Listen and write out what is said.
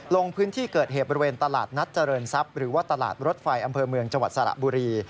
ลงพื้นที่เกิดเหตุบริเวณตลาดนัดเจริญทรัพย์หรือว่าตลาดรถไฟอำเภอเมืองจังหวัดสระบุรี